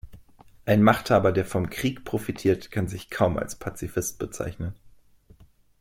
Ein Machthaber, der vom Krieg profitiert, kann sich kaum als Pazifist bezeichnen.